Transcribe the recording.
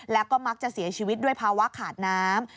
แล้วก็มักจะเสียชีวิตด้วยภาวะขาดน้ำ